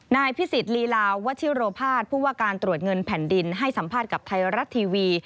นายพิสิทธิลีลาวัชิโรภาสผู้ว่าการตรวจเงินแผ่นดินให้สัมภาษณ์กับไทยรัฐทีวี